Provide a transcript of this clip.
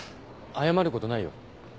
謝ることないよ。